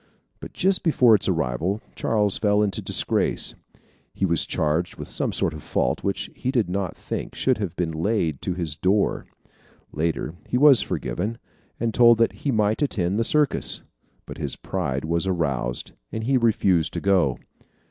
But just before its arrival, Charles fell into disgrace. He was charged with some fault which he did not think should have been laid to his door. Later he was forgiven, and told that he might attend the circus. But his pride was aroused, and he refused to go.